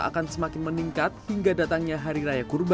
akan semakin meningkat hingga datangnya hari raya kurban